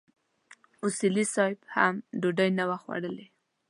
اصولي صیب هم ډوډۍ نه وه خوړلې.